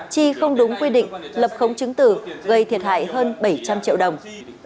chi không đúng quy định lập khống chứng tử gây thiệt hại hơn bảy trăm linh triệu đồng